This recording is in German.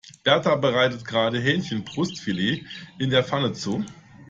Berta bereitet gerade Hähnchenbrustfilet in der Pfanne zu.